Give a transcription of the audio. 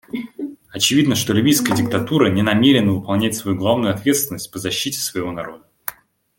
Очевидно, что ливийская диктатура не намерена выполнять свою главную ответственность по защите своего народа.